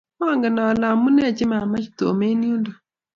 Mongen ale amune mamachech Tom eng yundo